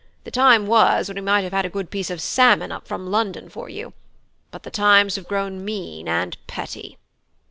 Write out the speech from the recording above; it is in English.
The time was when we might have had a good piece of salmon up from London for you; but the times have grown mean and petty."